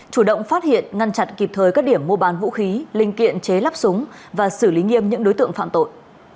chủ động phát hiện ngăn chặn kịp thời các điểm mua bán vũ khí linh kiện chế lắp súng và xử lý nghiêm những đối tượng phạm tội